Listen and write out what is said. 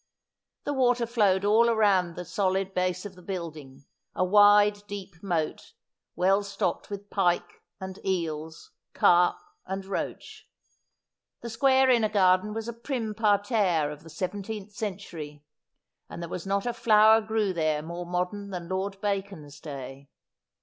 The water flowed all round the solid base of the building, a wide deep moat, well stocked with pike and eels, carp and roach. The square inner garden was a prim parterre of the seventeenth century, and there was not a flower grew there more modern than Lord Bacon's day.